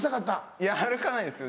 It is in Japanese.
いや歩かないですよ